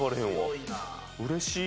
うれしい。